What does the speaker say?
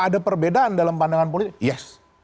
ada perbedaan dalam pandangan politik yes